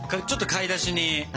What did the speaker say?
買い出し？